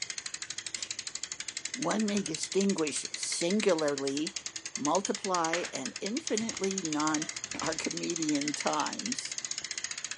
One may distinguish singularly, multiply and infinitely non-Archimedean times.